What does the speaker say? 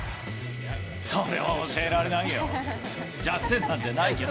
それは教えられないよ。